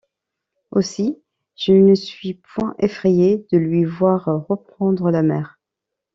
Aussi, je ne suis point effrayé de lui voir reprendre la mer!